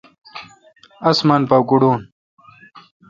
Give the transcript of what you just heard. اسمان پاگوڑون۔